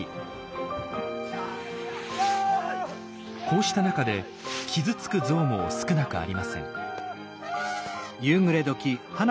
こうした中で傷つくゾウも少なくありません。